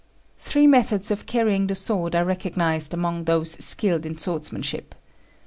Three methods of carrying the sword are recognized amongst those skilled in swordsmanship.